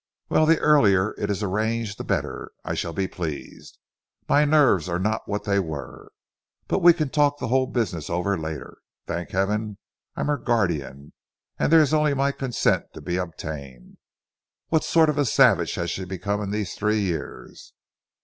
Well the earlier it is arranged, the better I shall be pleased. My nerves are not what they were. But we can talk the whole business over later. Thank heaven, I'm her guardian, and there's only my consent to be obtained. What sort of a savage has she become in these three years?"